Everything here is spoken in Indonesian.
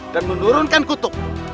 dan menurunkan kutub